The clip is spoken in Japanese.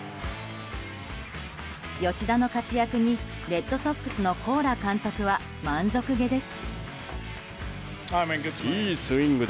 吉田の活躍にレッドソックスのコーラ監督は満足げです。